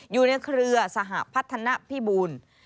อยู่ในเครือสหพัฒนภิบูรณ์